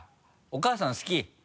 お母さん好き？